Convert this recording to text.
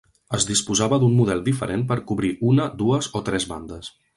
Es disposava d'un model diferent per cobrir una, dues o tres bandes.